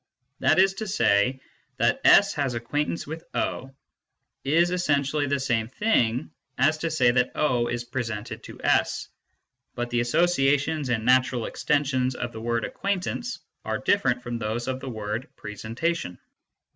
That is, to say that S has acquaintance with O is essentially the same thing as to say that is presented to S. But the associations and natural exten sions of the word acquaintance are different from those of the word presentation.